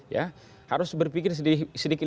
ya harus berpikir sedikit